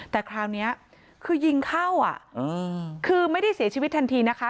แต่คราวนี้คือยิงเข้าอ่ะคือไม่ได้เสียชีวิตทันทีนะคะ